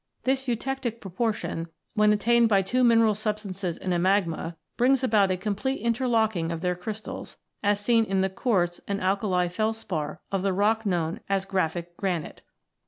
This eutectie proportion, when attained by two mineral substances in a magma, brings about a complete interlocking of their crystals, as is seen in the quartz and alkali felspar of the rock known as "graphic granite."